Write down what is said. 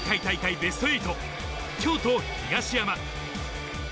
ベスト８、京都・東山。